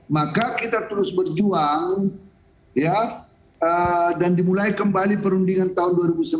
maka kita terus berjuang dan dimulai kembali perundingan tahun dua ribu sembilan belas